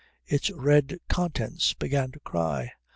Its red contents began to cry.